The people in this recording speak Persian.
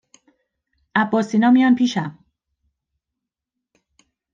عباس اینا میان پیشم